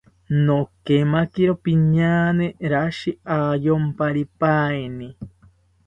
Nokemakiro piñaane rashi ayomparipaeni